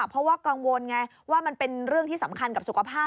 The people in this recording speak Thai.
เพราะว่ากังวลไงว่ามันเป็นเรื่องที่สำคัญกับสุขภาพ